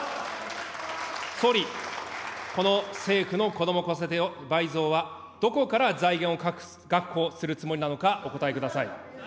総理、この政府のこども・子育て倍増はどこから財源を確保するつもりなのか、お答えください。